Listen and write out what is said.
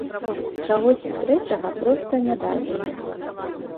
Чагосьці трэцяга проста не дадзена.